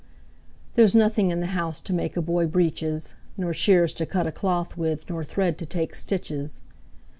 "There's nothing in the house To make a boy breeches, Nor shears to cut a cloth with Nor thread to take stitches.